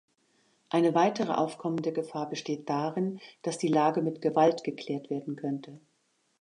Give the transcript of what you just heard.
Eine weitere aufkommende Gefahr besteht darin, dass die Lage mit Gewalt geklärt werden könnte.